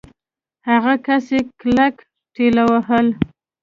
هغه کس يې کلک ټېلوهه.